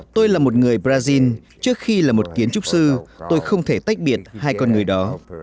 tôi là một người brazil trước khi là một kiến trúc sư tôi không thể tách biệt hai con người đó